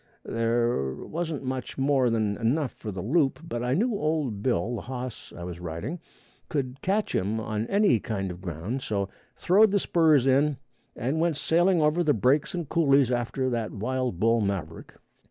There wasn't much more than enough for the loop. But I knew old Bill, the hoss I was riding, could catch him on any kind of ground, so throwed the spurs in and went sailing over the breaks and coolies after that wild bull maverick.